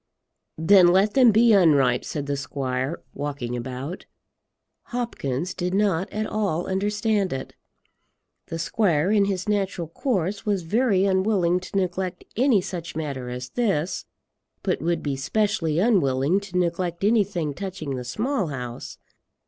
"Then let them be unripe," said the squire, walking about. Hopkins did not at all understand it. The squire in his natural course was very unwilling to neglect any such matter as this, but would be specially unwilling to neglect anything touching the Small House.